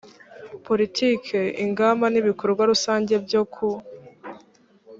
politiki ingamba n ibikorwa rusange byo ku